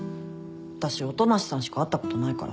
私音無さんしか会ったことないから。